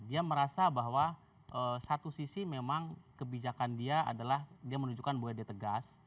dia merasa bahwa satu sisi memang kebijakan dia adalah dia menunjukkan bahwa dia tegas